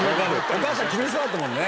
お母さん厳しそうだったもんね。